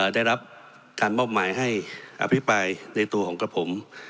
ได้รับการมอบหมายให้อภิปรายในตัวของกระผม